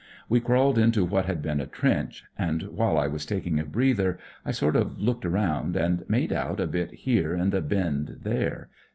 We crawled into what had been a trench, and while I was taking a breather I sort of looked round, and made out a bit here and a bend there.